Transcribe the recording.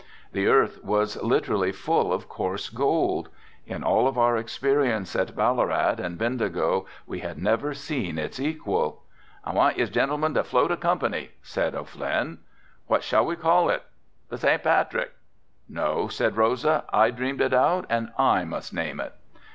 The earth was literally full of coarse gold. In all of our experience at Ballarat and Bendigo we had never seen its equal. "I want yez gintlemen to float a Company," said O'Flynn. "What shall we call it?" "The Saint Patrick." "No," said Rosa, "I dreamed it out and I must name it."